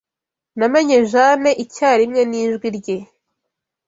Namenye Jane icyarimwe nijwi rye.